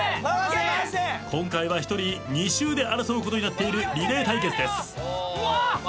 今回は１人２周で争うことになっているリレー対決です。